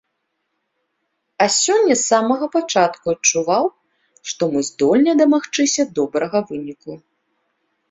А сёння з самага пачатку адчуваў, што мы здольныя дамагчыся добрага выніку.